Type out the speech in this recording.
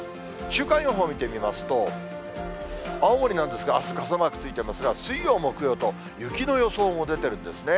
週間予報を見てみますと、青森なんですが、あす傘マークついてますが、水曜、木曜と、雪の予想も出てるんですね。